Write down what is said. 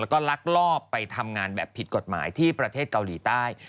แล้วก็ลักลอบไปทำงานแบบผิดกฎหมายที่ประเทศเกาหลีใต้